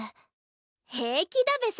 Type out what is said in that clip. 平気だべさ。